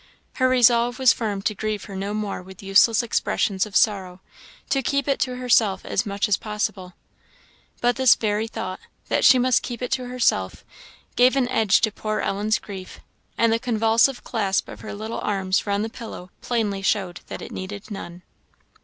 Her resolve was firm to grieve her no more with useless expressions of sorrow to keep it to herself as much as possible. But this very thought, that she must keep it to herself, gave an edge to poor Ellen's grief, and the convulsive clasp of her little arms round the pillow plainly showed that it needed none.